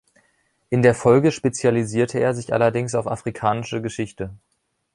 In der Folge spezialisierte er sich allerdings auf afrikanische Geschichte.